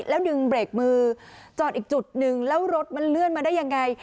แล้วดึงเบรกมือจอดอีกจุดหนึ่งแล้วรถมันเลื่อนมาได้ยังไง